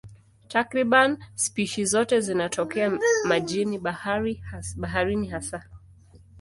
Takriban spishi zote zinatokea majini, baharini hasa.